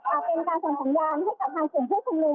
อ่าเป็นการส่งของยาร์ดให้กับทางฝั่งพลธิสังลุง